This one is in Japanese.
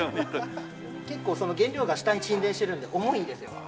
結構原料が下に沈殿してるので重いんですよ。